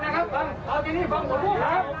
เอาจริงที่เนี่ยทางผมคือแทน